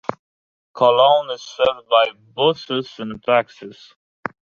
Coloane is served by buses and taxis.